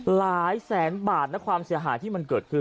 หลายแสนบาทนะความเสียหายที่มันเกิดขึ้น